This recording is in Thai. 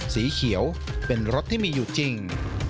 สีเขียวเป็นรถที่มีอยู่จริง